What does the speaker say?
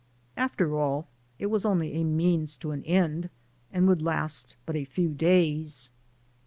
After all, it was only a means to an end, and would last but a few days.